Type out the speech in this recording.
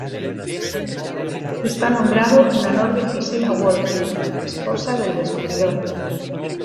Está nombrado en honor de Gisela Wolf, esposa del descubridor.